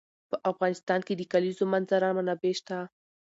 په افغانستان کې د د کلیزو منظره منابع شته.